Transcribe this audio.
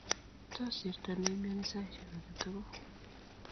Tos sirto ne imiani saishek agetugul